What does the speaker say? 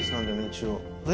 一応。